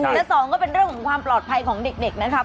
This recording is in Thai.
และสองก็เป็นเรื่องของความปลอดภัยของเด็กนะครับ